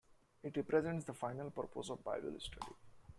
It represents the final purpose of Bible study.